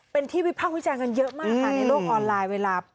เป็นที่วิพากษ์วิจารณ์กันเยอะมากค่ะในโลกออนไลน์เวลา